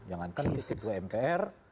jangankan ketua mpr